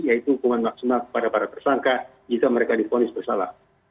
yaitu hukuman maksimal kepada para tersangka jika mereka dipolis bersalah